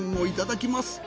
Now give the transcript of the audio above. いただきます。